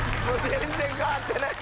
全然変わってない！